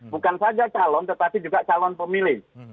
bukan saja calon tetapi juga calon pemilih